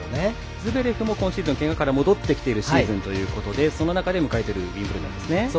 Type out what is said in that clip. ズベレフも今シーズンけがから戻ってきているシーズンということでその中で迎えているウィンブルドンですね。